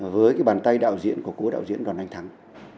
với cái bàn tay đạo diễn của cố đạo diễn đoàn anh thắng